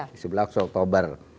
di sebelah oktober